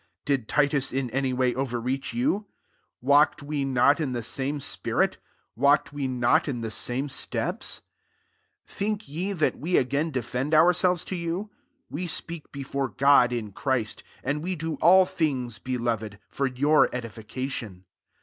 Did Titus in any way overreach you ? walked we not in the same spirit? walked we not in the same steps ? 19 Think ye that we a^n defend ourselves to you ? w^ speak before God in Christ : and we do all things, belove4» for yovir edification.